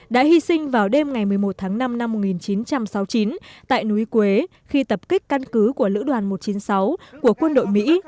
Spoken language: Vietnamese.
đã hy sinh vào đêm ngày một mươi một tháng năm năm một nghìn chín trăm sáu mươi chín tại núi quế khi tập kích căn cứ của lữ đoàn một trăm chín mươi sáu của quân đội mỹ